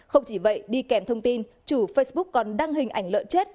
không chỉ vậy đi kèm thông tin chủ facebook còn đăng hình ảnh lợn chết